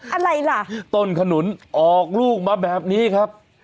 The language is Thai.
อะไรล่ะต้นขนุนออกลูกมาแบบนี้ครับ